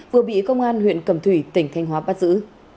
vừa bị công an huyện cầm thủy tỉnh thanh hóa bắt giữ